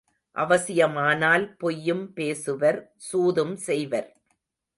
அவசியமானால் பொய்யும் பேசுவர் சூதும் செய்வர்.